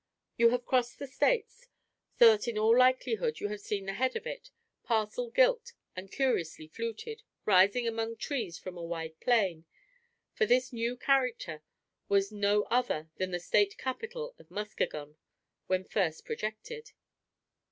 You have crossed the States, so that in all likelihood you have seen the head of it, parcel gilt and curiously fluted, rising among trees from a wide plain; for this new character was no other than the State capitol of Muskegon, then first projected.